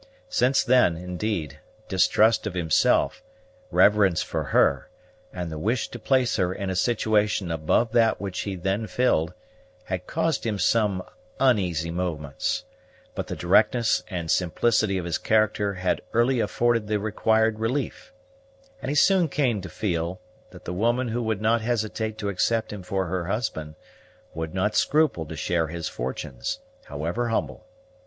Since then, indeed, distrust of himself, reverence for her, and the wish to place her in a situation above that which he then filled, had caused him some uneasy moments; but the directness and simplicity of his character had early afforded the required relief; and he soon came to feel that the woman who would not hesitate to accept him for her husband would not scruple to share his fortunes, however humble.